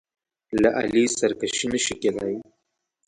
له علي سرکشي نه شي کېدای.